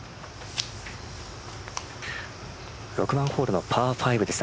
６番ホールのパー５です。